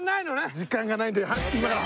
時間がないんで今から羽田に。